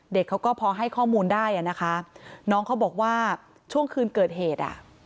เด็กเขาก็พอให้ข้อมูลได้อ่ะนะคะน้องเขาบอกว่าช่วงคืนเกิดเหตุอ่ะ